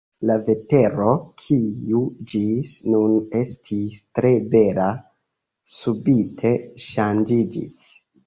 La vetero, kiu ĝis nun estis tre bela, subite ŝanĝiĝis.